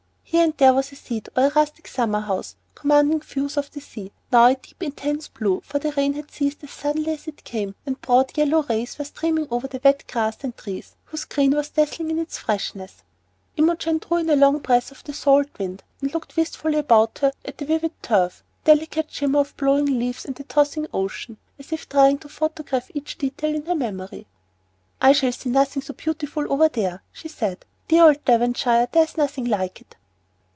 Here and there was a seat or a rustic summer house, commanding views of the sea, now a deep intense blue, for the rain had ceased as suddenly as it came, and broad yellow rays were streaming over the wet grass and trees, whose green was dazzling in its freshness. Imogen drew in a long breath of the salt wind, and looked wistfully about her at the vivid turf, the delicate shimmer of blowing leaves, and the tossing ocean, as if trying to photograph each detail in her memory. "I shall see nothing so beautiful over there," she said. "Dear old Devonshire, there's nothing like it."